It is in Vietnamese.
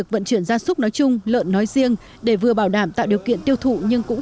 lợn chuyển gia súc nói chung lợn nói riêng để vừa bảo đảm tạo điều kiện tiêu thụ nhưng cũng